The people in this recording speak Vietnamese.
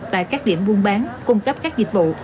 tại các điểm buôn bán cung cấp các dịch vụ